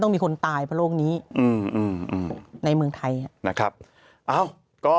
ต้องมีคนตายเพราะโรคนี้ในเมืองไทย